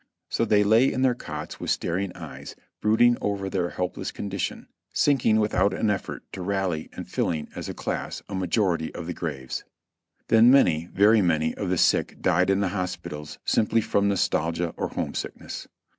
So they lay in their cots with staring eyes, brooding over their helpless condition, sinking without an effort to rally, and filling, as a class, a majority of the graves. Then many, very many, of the sick died in the hospitals simply from nostolgia or homesickness.